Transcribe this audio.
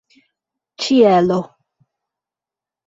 ĉielo